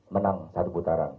menang satu putaran